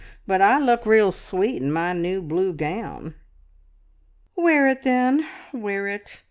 But I look real sweet in my new blue gown." "Wear it, then, wear it.